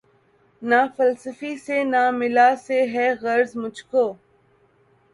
نہ فلسفی سے نہ ملا سے ہے غرض مجھ کو